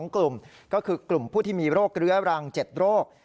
๒กลุ่มก็คือกลุ่มผู้ที่มีโรคเรื้อรัง๗โรค